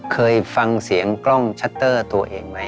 เคยฟังเสียงกล้องชัตเตอร์ตัวเองไหม